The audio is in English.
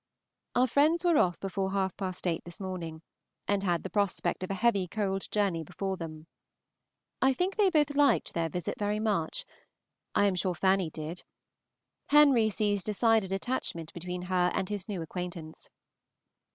Our friends were off before half past eight this morning, and had the prospect of a heavy cold journey before them. I think they both liked their visit very much. I am sure Fanny did. Henry sees decided attachment between her and his new acquaintance.